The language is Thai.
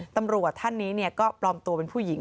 ตำรวจท่านนี้ก็ปลอมตัวเป็นผู้หญิง